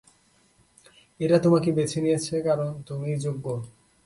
এটা তোমাকে বেছে নিয়েছে কারণ তুমি যোগ্য।